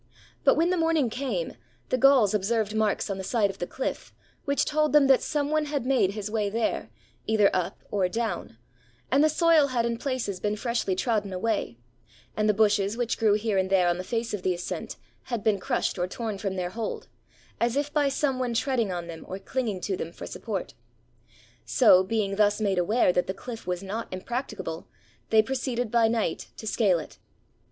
But when the morning came, the Gauls observed marks on the side of the cHff, which told them that some one had made his way there, either up or down ; and the soil had in places been freshly trodden away, and the bushes which grew here and there on the face of the ascent had been crushed or torn from their hold, as if by some one treading on them or clinging to them for support. So, being thus made aware that the cliff was not impracticable, they proceeded by night to scale it.